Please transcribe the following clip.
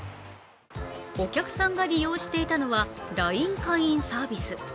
お客サさんが利用していたのはＬＩＮＥ会員サービス。